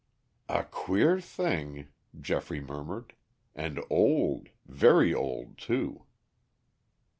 "A queer thing," Geoffrey murmured. "And old, very old, too."